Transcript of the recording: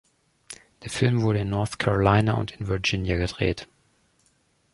Der Film wurde in North Carolina und in Virginia gedreht.